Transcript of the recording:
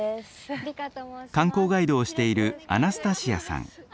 観光ガイドをしているアナスタシアさん。